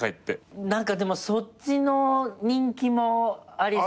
何かでもそっちの人気も。